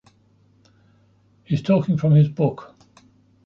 He's talking from his book.